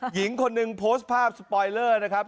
หญิงคนหนึ่งโพสต์ภาพสปอยเลอร์นะครับ